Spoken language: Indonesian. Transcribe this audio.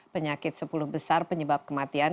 penyakit sepuluh besar penyebab kematian